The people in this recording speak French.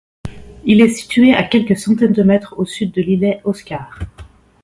Il est situé à quelques centaines de mètres au sud de l’îlet Oscar.